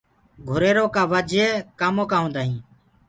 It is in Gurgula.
گُريرو ڪآ وجھ ڪآمو هوندآ هينٚ۔